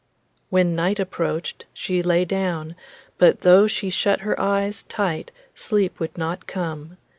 When night approached she lay down, but though she shut her eyes tight sleep would not come.